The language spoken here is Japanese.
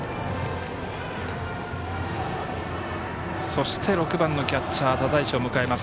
そして、６番のキャッチャー只石を迎えます。